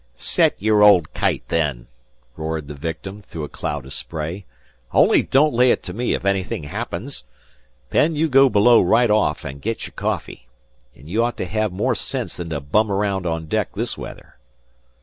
"Set your old kite, then," roared the victim through a cloud of spray; "only don't lay it to me if anything happens. Penn, you go below right off an' git your coffee. You ought to hev more sense than to bum araound on deck this weather."